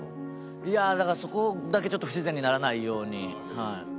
いやだからそこだけちょっと不自然にならないように。